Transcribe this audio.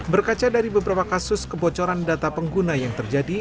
berkaca dari beberapa kasus kebocoran data pengguna yang terjadi